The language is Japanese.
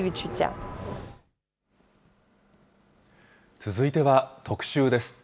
続いては特集です。